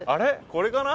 これかな？